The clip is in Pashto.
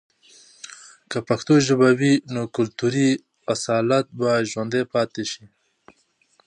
که پښتو ژبه وي، نو کلتوري اصالت به ژوندي پاتې سي.